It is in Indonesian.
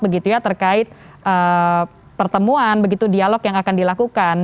begitu ya terkait pertemuan begitu dialog yang akan dilakukan